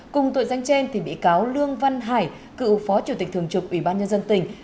cùng tội danh trên bị cáo lương văn hải cựu phó chủ tịch thường trực ủy ban nhân dân tỉnh